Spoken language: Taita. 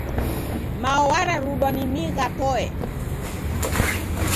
Mao wararudwa ni migha toe.